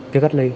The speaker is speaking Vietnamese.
cứ cách ly